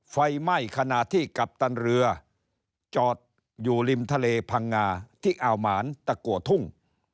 ไฟไหม้ขณะที่กัปตันเรือจอดอยู่ริมทะเลพังงาที่อ่าวหมานตะกัวทุ่ง